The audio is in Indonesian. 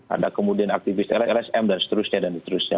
ada kemudian aktivis lsm dan seterusnya dan seterusnya